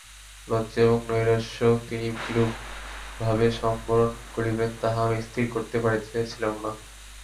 লজ্জা এবং নৈরাশ্য তিনি কিরূপভাবে সম্বরণ করিবেন, তাহা আমি স্থির করিতে পারিতেছিলাম না।